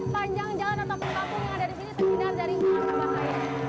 panjang jalan atau tatung yang ada di sini terkidar dari umur rumah saya